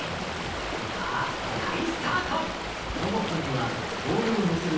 さあ再スタート。